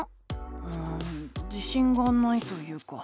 うん自しんがないというか。